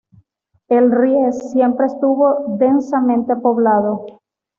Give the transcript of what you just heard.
El Ries siempre estuvo densamente poblado.